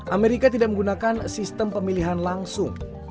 amerika tidak menggunakan sistem pemilihan langsung